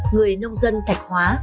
người nông dân thạch hóa